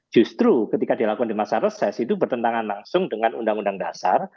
justru ketika dilakukan di masa reses itu bertentangan langsung dengan undang undang dasar